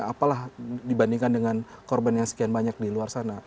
apalah dibandingkan dengan korban yang sekian banyak di luar sana